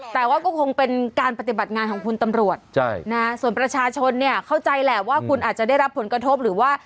แต่ว่าก็คงเป็นการปฏิบัติงานของคุณตำรวจส่วนประชาชนเนี่ยเข้าใจแหละว่าคุณอาจจะได้รับผลกระทบหรือว่า